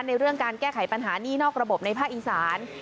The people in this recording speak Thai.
ในเรื่องการแก้ไขปัญหานี่นอกระบบในภาคอีสาน